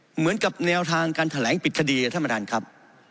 เหมือนกับแนวทางการแถลงปิดคดีท่านประธานครับ